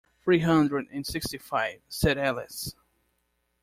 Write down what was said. ‘Three hundred and sixty-five,’ said Alice.